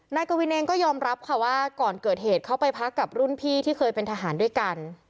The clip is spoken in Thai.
นายกวินเองก็ยอมรับค่ะว่าก่อนเกิดเหตุเขาไปพักกับรุ่นพี่ที่เคยเป็นทหารด้วยกัน